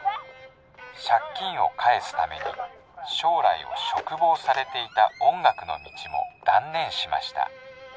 借金を返すために将来を嘱望されていた音楽の道も断念しました。